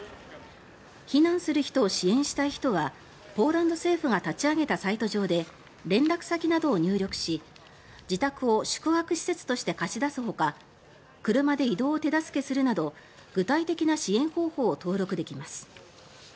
避難する人を支援したい人はポーランド政府が立ち上げたサイト上で連絡先などを入力し自宅を宿泊施設として貸し出すほか車で移動を手助けするなど具体的な支援方法を登録できます。